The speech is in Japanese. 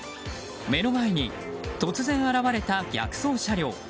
目の前に突然現れた逆走車両。